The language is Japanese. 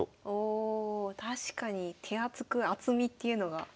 お確かに手厚く厚みっていうのが。